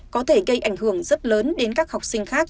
có thể gây ảnh hưởng rất lớn đến các học sinh khác